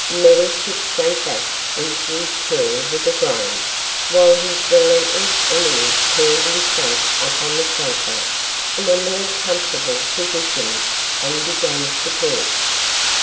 Meddlechip sank back into his chair with a groan, while his relentless enemy curled himself up on the sofa in a more comfortable position and began to talk.